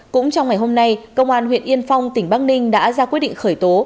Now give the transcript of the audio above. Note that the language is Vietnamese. cũng trong ngày hôm nay công an huyện yên phong tỉnh bắc ninh đã ra quyết định khởi tố